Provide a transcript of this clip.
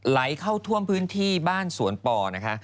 ไหลเข้าท่วมพื้นที่บ้านสวนป่อนะคะ